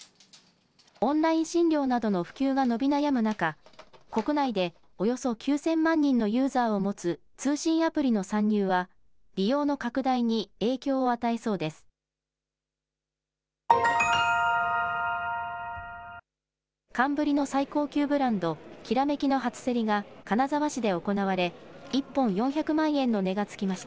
オンライン診療などの普及が伸び悩む中、国内でおよそ９０００万人のユーザーを持つ通信アプリの参入は、利用の拡大に影響を与えそうです。